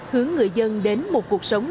hướng người dân đến một cuộc sống